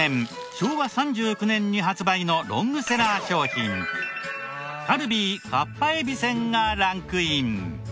昭和３９年に発売のロングセラー商品カルビーかっぱえびせんがランクイン。